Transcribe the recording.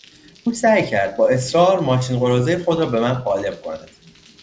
او سعی کرد با اصرار ماشین قراضهی خود را به من قالب کند.